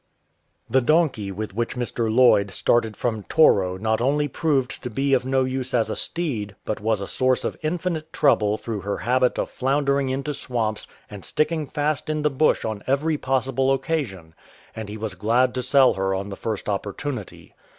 The donkey with which Mr. Lloyd started from Toro not only proved to be of no use as a steed, but was a source of infinite trouble through her habit of flounder ing into swamps and sticking fast in the bush on every possible occasion, and he was glad to sell her on the first opportunity.